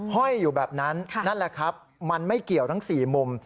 ห้อยอยู่แบบนั้นนั่นแหละครับมันไม่เกี่ยวทั้ง๔มุม